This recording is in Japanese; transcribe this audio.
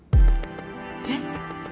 えっ？